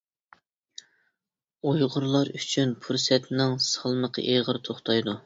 ئۇيغۇرلار ئۈچۈن پۇرسەتنىڭ سالمىقى ئېغىر توختايدۇ.